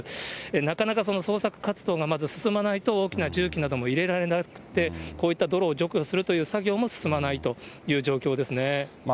なかなか捜索活動がまず進まないと、大きな重機なども入れられなくって、こういった泥を除去するという作業も進まないという状況ですね。